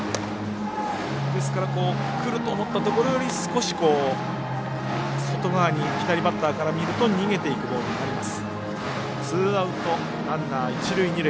ですからくると思ったところより、少し外側に左バッターから見ると逃げていくボールになります。